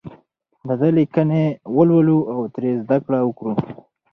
د ده لیکنې ولولو او ترې زده کړه وکړو.